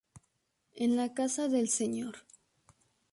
En la casa del Sr.